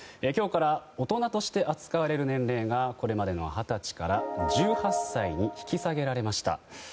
今日から大人として扱われる年齢がこれまでの二十歳から１８歳に引き下げられました。